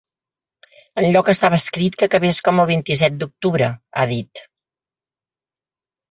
Enlloc estava escrit que acabés com el vint-i-set d’octubre, ha dit.